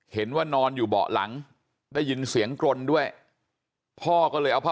เห็นว่านอนอยู่เบาะหลังได้ยินเสียงกรนด้วยพ่อก็เลยเอาพ่อ